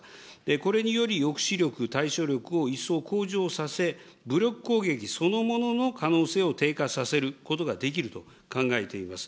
これにより、抑止力、対処力を一層向上させ、武力攻撃そのものの可能性を低下させることができると考えています。